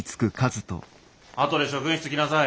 あとで職員室来なさい。